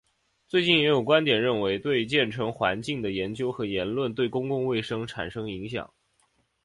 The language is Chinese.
最近也有观点认为对建成环境的研究和言论对公共卫生产生影响。